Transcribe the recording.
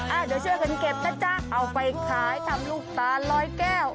เดี๋ยวช่วยกันเก็บนะจ๊ะเอาไปขายทำลูกตาลลอยแก้ว